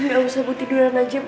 gak usah bu tiduran aja bu